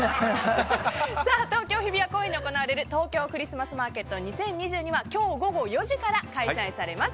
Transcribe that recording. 東京・日比谷公園で行われる東京クリスマスマーケット２０２２は今日午後４時から開催されます。